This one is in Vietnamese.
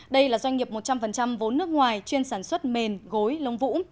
đây là doanh nghiệp một trăm linh vốn nước ngoài chuyên sản xuất mềm gối lông vũ